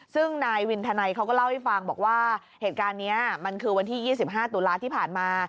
ซึ่งนายวินธนัยเขาก็เล่าให้ฟังบอกว่าเหตุการณ์นี้มันคือวันที่๒๕ตุลาที่ผ่านมา